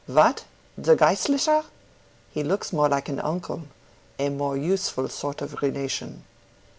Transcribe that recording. "What! the Geistlicher? He looks more like an uncle—a more useful sort of relation."